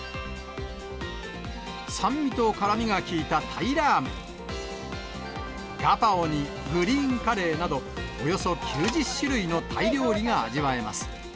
酸味と辛みが効いたタイラーメン、ガパオにグリーンカレーなど、およそ９０種類のタイ料理が味わえます。